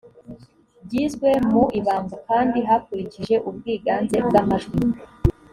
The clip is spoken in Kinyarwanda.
byizwe mu ibanga kandi hakurikije ubwiganze bw’amajwi